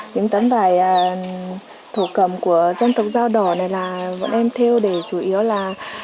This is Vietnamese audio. những tấm vải thổ cẩm của dân tộc dao đỏ này là bọn em theo để chủ yếu là